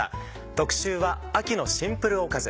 特集は「秋のシンプルおかず」。